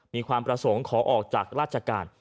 มีความประสงค์ขอออกจากราชการ